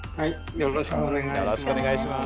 よろしくお願いします。